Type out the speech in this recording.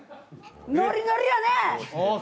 ノリノリやね！